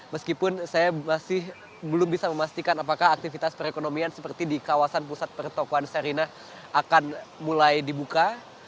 meskipun saya masih belum bisa memastikan apakah aktivitas perekonomian seperti di kawasan pusat pertokohan sarinah akan mulai dibuka